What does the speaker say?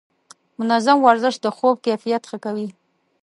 منظم ورزش د خوب کیفیت ښه کوي.